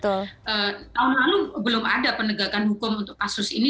tahun lalu belum ada penegakan hukum untuk kasus ini